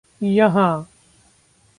यहाँ